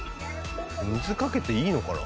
水かけていいのかな？